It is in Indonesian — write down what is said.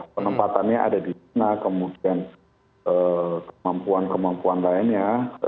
penempatannya ada di sana kemudian kemampuan kemampuan lainnya